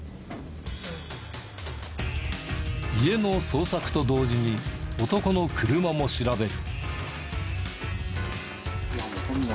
家の捜索と同時に男の車も調べる。